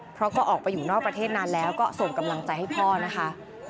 เพราะก็ออกไปอยู่นอกประเทศนานแล้วก็ส่งกำลังใจให้พ่อนะคะ